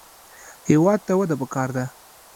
هېواد ته وده پکار ده